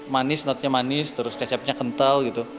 manis notnya manis kecapnya kental